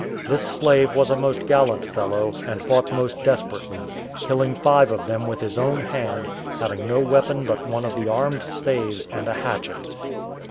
This slave was a most gallant fellow, and fought most desperately, killing five of them with his own hand, having no weapon but one of the armed staves and a hatchet.